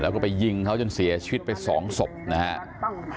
แล้วก็ไปยิงเขาจนเสียชีวิตไป๒ศพนะครับ